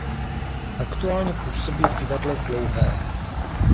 Aktuálně působí v Divadle v Dlouhé.